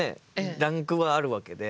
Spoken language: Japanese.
ランクはあるわけで。